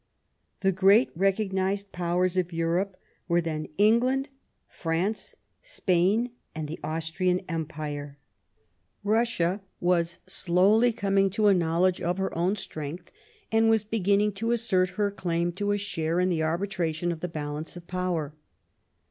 The great recognized powers of Europe were then England, France, Spain, and the Austrian empire. Eussia was slowly coming to a knowledge of her own strength, and was beginning to assert her claim to a share in the arbitration of the balance of power.